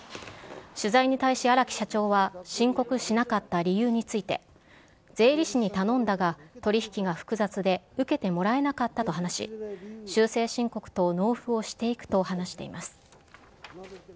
取材に対し荒木社長は、申告しなかった理由について、税理士に頼んだが、取り引きが複雑で受けてもらえなかったと話し、修正申告と納付をしていくと話しています。